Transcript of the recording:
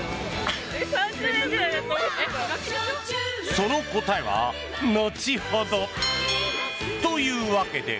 その答えは後ほど。というわけで。